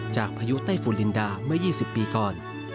พายุไต้ฝุลินดาเมื่อ๒๐ปีก่อน